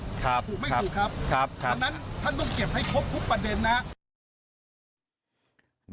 ถูกไม่ถูกครับดังนั้นท่านต้องเก็บให้ครบทุกประเด็นนะครับ